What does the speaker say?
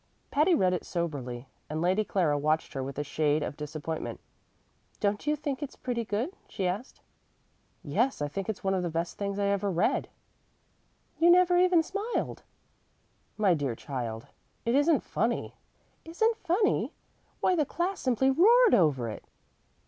Patty read it soberly, and Lady Clara watched her with a shade of disappointment. "Don't you think it's pretty good?" she asked. "Yes; I think it's one of the best things I ever read." "You never even smiled!" "My dear child, it isn't funny." "Isn't funny! Why, the class simply roared over it."